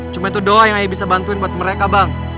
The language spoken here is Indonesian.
cuma itu doa yang ayah bisa bantuin buat mereka bang